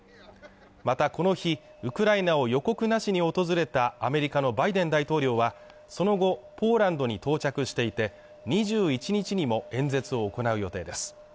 またこの日、ウクライナを予告なしに訪れたアメリカのバイデン大統領はその後、ポーランドに到着していて、２１日にも演説を行う予定です。